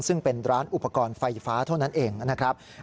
ซึ่งเป็นร้านอุปกรณ์ไฟฟ้าเท่านั้นเองนะครับ